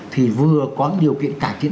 thì vừa có điều kiện cải thiện